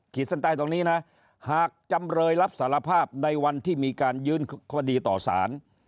เส้นใต้ตรงนี้นะหากจำเลยรับสารภาพในวันที่มีการยื่นคดีต่อสาร